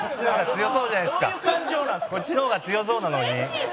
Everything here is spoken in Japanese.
こっちの方が強そうなのに。